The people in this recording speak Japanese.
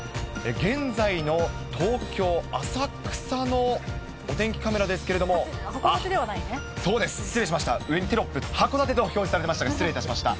現在の東京・浅草のお天気カメラですけれども、そうです、失礼しました、上にテロップ、函館と表示されていましたが、失礼いたしました。